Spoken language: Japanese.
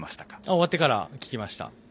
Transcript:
終わってから聞きました。